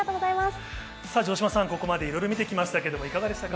さあ、城島さん、ここまでいろいろ見てきましたけれども、いかがでしたか。